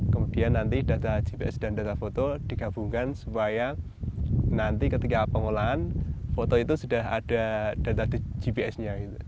kemudian nanti data gps dan data foto digabungkan supaya nanti ketika pengolahan foto itu sudah ada data di gps nya